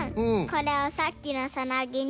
これをさっきのサナギに。